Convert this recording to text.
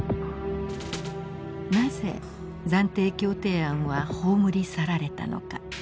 なぜ暫定協定案は葬り去られたのか。